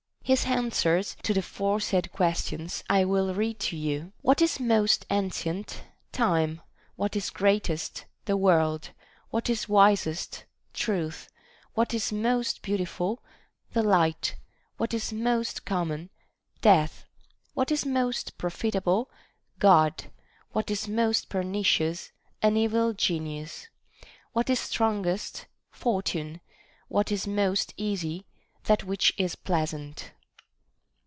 His answers to the foresaid questions I will read to you. — What is most ancient ? Time. What is greatest ? The World. What is wisest? Truth. What is most beau tiful % The light. What is most common ? Death. What is most profitable ? God. What is most perni cious % An evil genius. What is strongest? Fortune. What is most easy ? That which is pleasant.